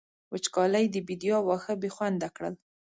وچکالۍ د بېديا واښه بې خونده کړل.